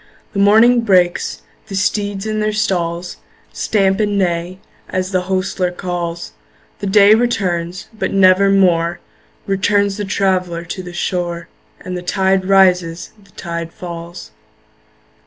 The morning breaks; the steeds in their stalls Stamp and neigh, as the hostler calls; The day returns, but nevermore Returns the traveller to the shore, And the tide rises, the tide falls.